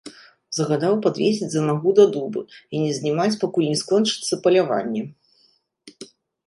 Загадаў падвесіць за нагу да дуба і не знімаць, пакуль не скончыцца паляванне.